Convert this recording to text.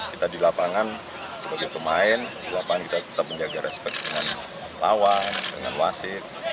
kita di lapangan sebagai pemain di lapangan kita tetap menjaga respect dengan lawan dengan wasit